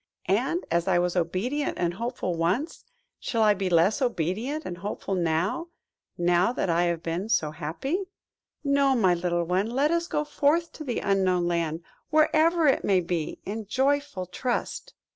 And, as I was obedient and hopeful once, shall I be less obedient and hopeful now–now that I have been so happy? No, my little one, let us go forth to the Unknown Land, wherever it may be, in joyful trust."